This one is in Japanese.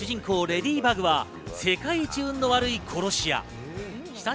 レディバグは世界一運の悪い殺し屋。